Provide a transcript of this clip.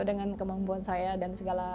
dengan kemampuan saya dan segala